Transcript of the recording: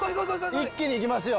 一気にいきますよ。